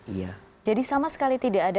iya jadi sama sekali tidak ada